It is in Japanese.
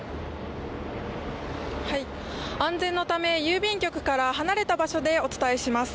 安全のため郵便局から離れた場所でお伝えします。